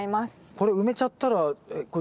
これ埋めちゃったらえっ